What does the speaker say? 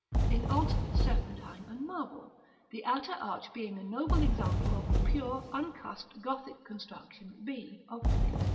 in alternate serpentine and marble; the outer arch being a noble example of the pure uncusped Gothic construction, b of Plate III.